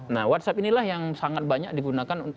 nah whatsapp inilah yang sangat banyak digunakan